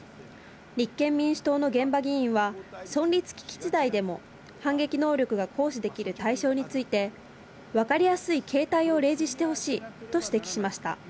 立憲民主党の玄葉議員は、存立危機事態でも反撃能力が行使できる対象について、分かりやすい形態を例示してほしいと指摘しました。